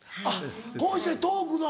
こうしてトークの。